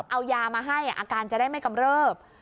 เอายามาให้อาการจะได้ไม่กำเริบ